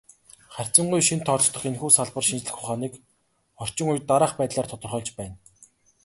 Харьцангуй шинэд тооцогдох энэхүү салбар шинжлэх ухааныг орчин үед дараах байдлаар тодорхойлж байна.